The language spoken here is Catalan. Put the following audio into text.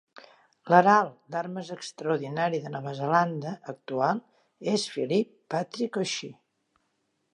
L'Herald d'Armes Extraordinari de Nova Zelanda actual és Phillip Patrick O'Shea.